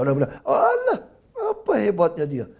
orang bilang ah apa hebatnya dia